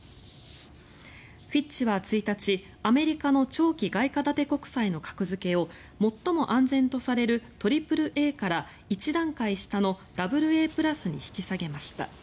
フィッチは１日アメリカの長期外貨建て国債の格付けを最も安全とされるＡＡＡから１段階下のＡＡ＋に引き下げました。